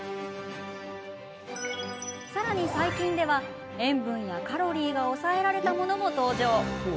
さらに最近では塩分やカロリーが抑えられたものも登場。